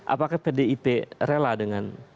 apakah pdip rela dengan